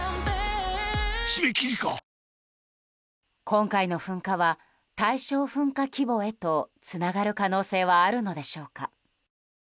今回の噴火は大正噴火規模へとつながる可能性はあるのでしょうか。